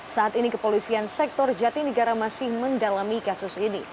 saat ini kepolisian sektor jatinegara masih mendalami kasus ini